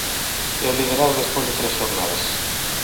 E o liderado despois de tres xornadas.